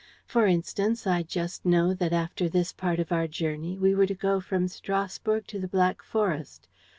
For instance, I just know that, after this part of our journey, we were to go from Strasburg to the Black Forest.